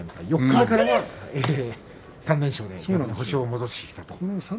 ４日からは３連勝で星を戻してきたと。